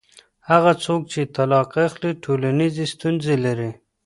هغه څوک چې طلاق اخلي ټولنیزې ستونزې لري.